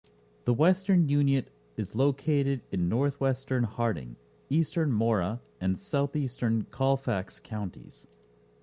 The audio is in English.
The western unit is located in northwestern Harding, eastern Mora, and southeastern Colfax counties.